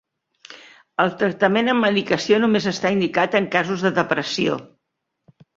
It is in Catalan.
El tractament amb medicació només està indicat en casos de depressió.